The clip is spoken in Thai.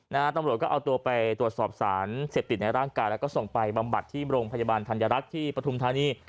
ตำรวจก็เอาตัวไปตรวจสอบสารเสพติดในร่างกายแล้วก็ส่งไปบำบัดที่โรงพยาบาลธัญรักษ์ที่ปฐุมธานี